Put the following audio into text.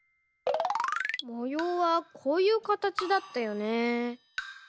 もようはこういうかたちだったよね。